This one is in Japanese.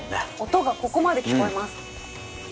音がここまで聞こえます。